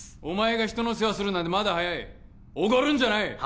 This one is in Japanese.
お前が人の世話するなんてまだ早いおごるんじゃない！